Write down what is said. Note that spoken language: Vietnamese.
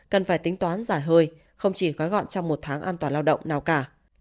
cần phải tính toán giải hơi không chỉ gói gọn trong một tháng an toàn lao động nào cả